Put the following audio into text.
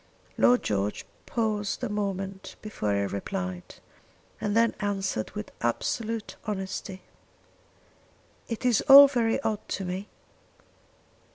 Lord George paused a moment before he replied, and then answered with absolute honesty. "It is all very odd to me.